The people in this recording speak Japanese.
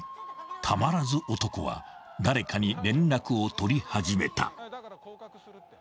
［たまらず男は誰かに連絡を取り始めた］